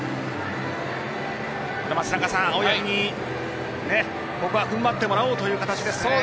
青柳にここは踏ん張ってもらおうという形ですね。